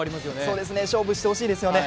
そうですね勝負してほしいですよね。